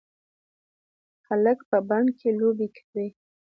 هلک په بڼ کې لوبې کوي.